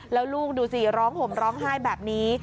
แล้วลูกดูสิร้องห่มร้องไห้แบบนี้